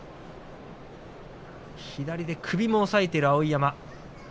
左で首を押さえている、碧山。